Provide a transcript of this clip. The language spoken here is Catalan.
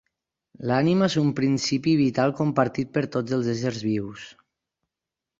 L'ànima és un principi vital compartit per tots els éssers vius.